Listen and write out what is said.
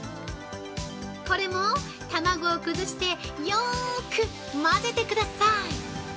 これも卵を崩してよーく混ぜてくださーい